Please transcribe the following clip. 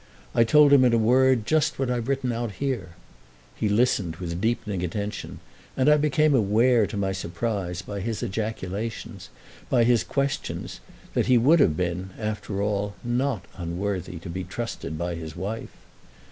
I told him in a word just what I've written out here. He listened with deepening attention, and I became aware, to my surprise, by his ejaculations, by his questions, that he would have been after all not unworthy to be trusted by his wife.